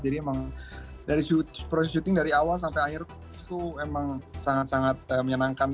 jadi emang dari proses syuting dari awal sampai akhir itu emang sangat sangat menyenangkan